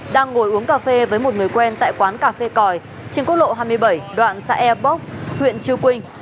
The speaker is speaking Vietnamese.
đang ngồi uống cà phê với một người quen tại quán cà phê còi trên quốc lộ hai mươi bảy đoạn xã eoc huyện chư quynh